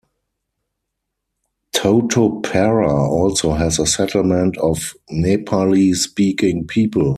Totopara also has a settlement of Nepali-speaking people.